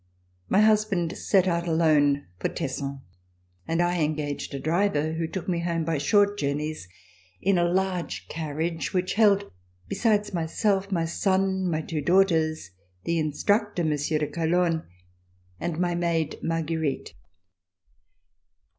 My husband set out alone for Tesson, and I engaged a driver who took me home by short journeys in a large carriage which held besides myself, my son, my two daughters, the instructor, Monsieur de Calonne, and my maid. Marguerite.